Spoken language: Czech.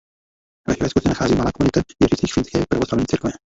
Ve Švédsku se nachází malá komunita věřících finské pravoslavní církve.